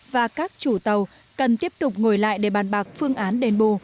và các chủ tàu cần tiếp tục ngồi lại để bàn bạc phương án đền bù